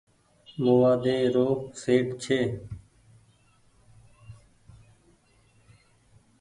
موآدي رو سيٽ ڇي۔